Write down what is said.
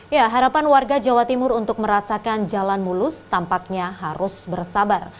ya harapan warga jawa timur untuk merasakan jalan mulus tampaknya harus bersabar